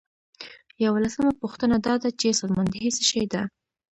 یوولسمه پوښتنه دا ده چې سازماندهي څه شی ده.